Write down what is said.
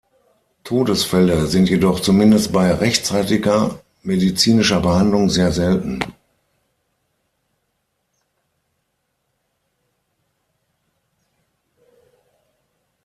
Todesfälle sind jedoch zumindest bei rechtzeitiger medizinischer Behandlung sehr selten.